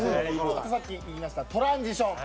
さっき言いましたトランジション。